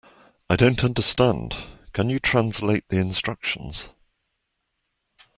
I don't understand; can you translate the instructions?